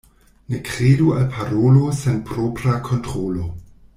Ne kredu al parolo sen propra kontrolo.